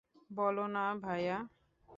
বলো না, ভায়া।